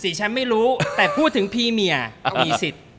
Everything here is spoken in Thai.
ฉันไม่รู้แต่พูดถึงพี่เมียมีสิทธิ์